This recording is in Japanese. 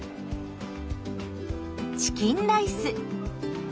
チキンライス。